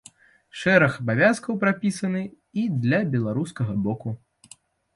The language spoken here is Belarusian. Шэраг абавязкаў прапісаны і для беларускага боку.